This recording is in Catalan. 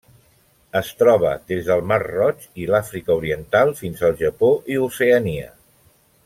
Es troba des del Mar Roig i l'Àfrica Oriental fins al Japó i Oceania.